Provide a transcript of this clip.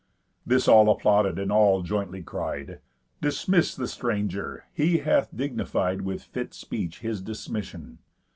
This all applauded, and all jointly cried: "Dismiss the stranger! He hath dignified With fit speech his dismission."